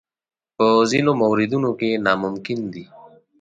په ځینو موردونو کې ناممکن دي.